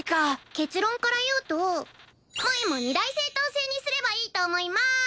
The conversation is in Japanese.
結論から言うと萌も二大政党制にすればいいと思います！